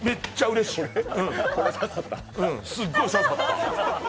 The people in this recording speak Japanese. すっごい刺さった。